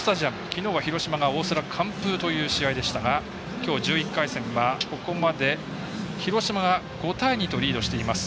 きのうは広島が大瀬良が完封という試合でしたがきょう１１回戦はここまで広島が５対２とリードしています。